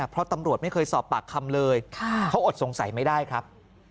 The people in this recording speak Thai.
เพราะตำรวจไม่เคยสอบปากคำเลยเขาอดสงสัยไม่ได้ครับ